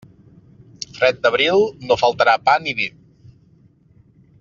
Fred d'Abril, no faltarà pa ni vi.